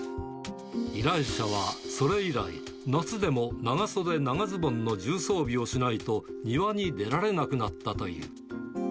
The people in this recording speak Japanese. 依頼者はそれ以来、夏でも長袖長ズボンの重装備をしないと、庭に出られなくなったという。